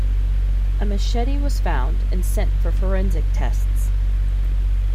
A machete was found and sent for forensic tests.